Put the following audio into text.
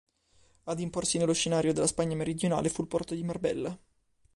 Ad imporsi nello scenario della Spagna meridionale fu il porto di Marbella.